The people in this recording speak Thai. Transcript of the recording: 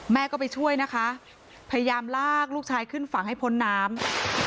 แม่ก็ไปช่วยนะคะพยายามลากลูกชายขึ้นฝั่งให้พ้นน้ำ